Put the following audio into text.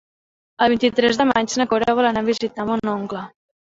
El vint-i-tres de maig na Cora vol anar a visitar mon oncle.